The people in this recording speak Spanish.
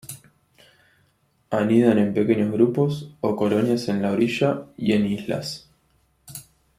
Anidan en pequeños grupos o colonias en la orilla y en islas.